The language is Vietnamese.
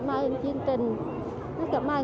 bộ thứ đây là chị dũng cũng là hai ba ngày